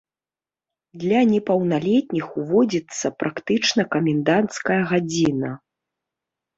Для непаўналетніх ўводзіцца практычна каменданцкая гадзіна.